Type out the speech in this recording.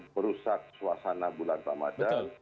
merusak suasana bulan tamadar